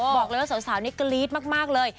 บอกเลยว่าสาวนี่กรี๊ดมากเลย